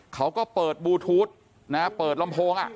เขาก็เปิดบลูทูธเปิดลำโพง